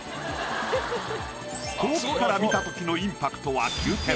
遠くから見た時のインパクトは９点。